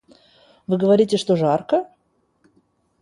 Вы говорите, что жарко?